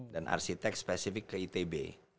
dan arsitek spesifik ke itb